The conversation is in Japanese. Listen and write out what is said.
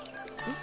ん？